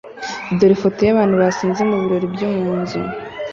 Dore ifoto yabantu basinze mubirori byo munzu